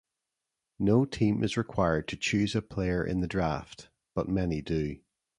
No team is required to choose a player in the draft, but many do.